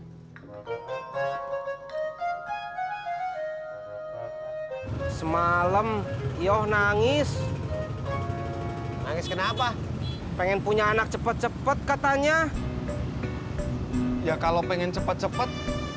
kesemalam yo nangis nangis kenapa pengen punya anak cepet cepet katanya ya kalau pengen cepet cepet